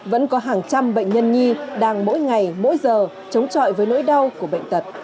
vẫn có hàng trăm bệnh nhân nhi đang mỗi ngày mỗi giờ chống chọi với nỗi đau của bệnh tật